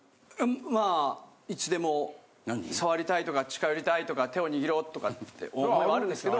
まあいつでも触りたいとか近寄りたいとか手を握ろうとかって思いはあるんですけど。